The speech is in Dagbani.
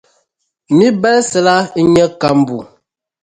Mi’ balisi la n-nyɛ kambu.